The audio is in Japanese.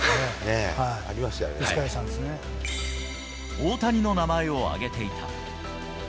大谷の名前を挙げていた。